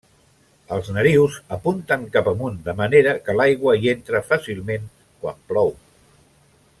Els narius apunten cap amunt, de manera que l'aigua hi entra fàcilment quan plou.